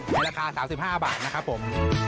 ในราคา๓๕บาทนะครับผม